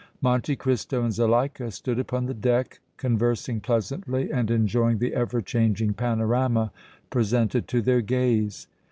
Monte Cristo and Zuleika stood upon the deck, conversing pleasantly and enjoying the ever changing panorama presented to their gaze.